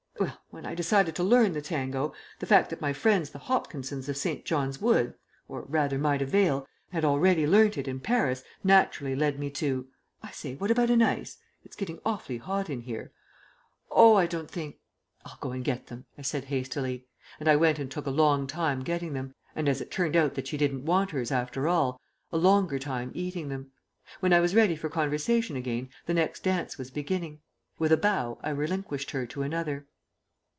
Well, when I decided to learn the tango, the fact that my friends the Hopkinses of St. John's Wood, or rather Maida Vale, had already learnt it in Paris naturally led me to I say, what about an ice? It's getting awfully hot in here." "Oh, I don't think " "I'll go and get them," I said hastily; and I went and took a long time getting them, and, as it turned out that she didn't want hers after all, a longer time eating them. When I was ready for conversation again the next dance was beginning. With a bow I relinquished her to another.